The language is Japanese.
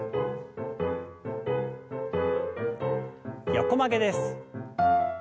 横曲げです。